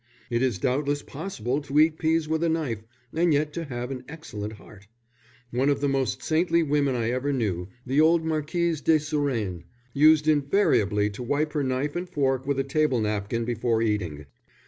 It is doubtless possible to eat peas with a knife, and yet to have an excellent heart. One of the most saintly women I ever knew, the old Marquise de Surennes, used invariably to wipe her knife and fork with a table napkin before eating."